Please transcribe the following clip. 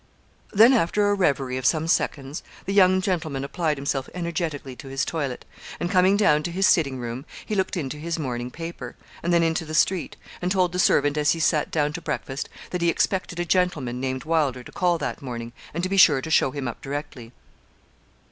Then, after a reverie of some seconds, the young gentleman applied himself energetically to his toilet; and coming down to his sitting room, he looked into his morning paper, and then into the street, and told the servant as he sate down to breakfast, that he expected a gentleman named Wylder to call that morning, and to be sure to show him up directly.